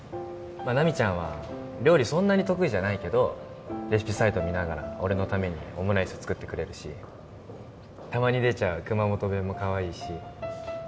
まっ奈未ちゃんは料理そんなに得意じゃないけどレシピサイト見ながら俺のためにオムライス作ってくれるしたまに出ちゃう熊本弁もかわいいし